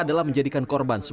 selalu sepi dan terkunci